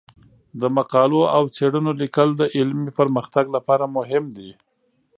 د مقالو او څیړنو لیکل د علمي پرمختګ لپاره مهم دي.